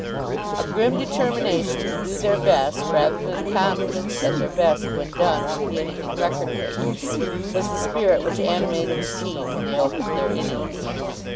A grim determination to do their best, rather than confidence that their best, when done, would be anything record breaking, was the spirit which animated the team when they opened their innings.